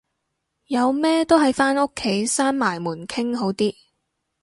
有咩都係返屋企閂埋門傾好啲